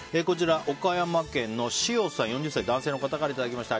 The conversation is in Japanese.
岡山県の４０歳、男性の方からいただきました。